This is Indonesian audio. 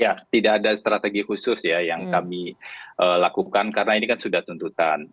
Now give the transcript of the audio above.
ya tidak ada strategi khusus ya yang kami lakukan karena ini kan sudah tuntutan